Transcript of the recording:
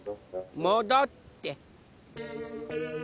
もどって。